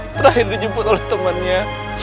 terakhir dijemput oleh temannya